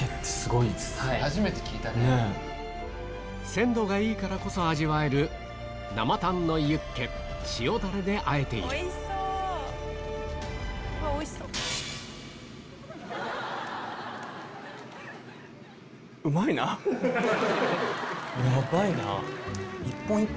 鮮度がいいからこそ味わえる生タンのユッケ塩ダレであえているヤバいな。